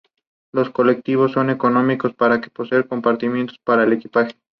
Escribió dos libros de sonatas, donde se refleja un gusto nuevo por el virtuosismo.